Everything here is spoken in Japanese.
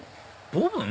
ボブン？